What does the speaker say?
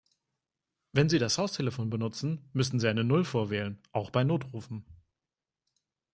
Wenn Sie das Haustelefon benutzen, müssen Sie eine Null vorwählen, auch bei Notrufen.